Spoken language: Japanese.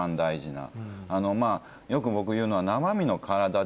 まぁよく僕言うのは。